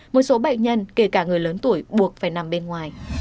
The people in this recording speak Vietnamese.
một số bệnh nhân kể cả người lớn tuổi buộc phải nằm bên ngoài